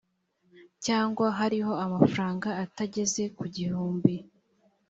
cyangwa hariho amafaranga atageze ku gihumbi